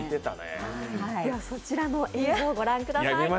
そちらの映像をご覧ください。